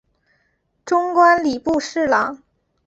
终官礼部侍郎。